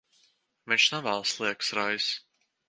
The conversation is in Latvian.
Viņš nevēlas liekas raizes.